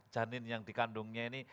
janin yang dikandungnya ini